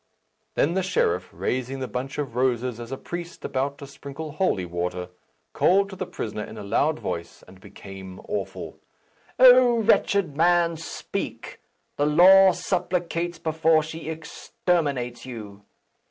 Then the sheriff, raising the bunch of roses as a priest about to sprinkle holy water, called to the prisoner in a loud voice, and became awful. "O wretched man, speak! The law supplicates before she exterminates you.